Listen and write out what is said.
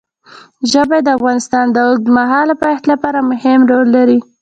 ژبې د افغانستان د اوږدمهاله پایښت لپاره مهم رول لري.